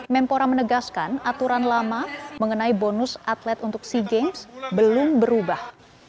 menpora menegaskan aturan lama mengenai bonus atlet untuk sea games belum berubah